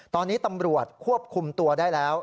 ตอนนี้ตำรวจควบคุมตัวได้แล้ว